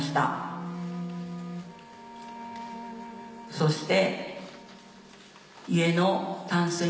そして。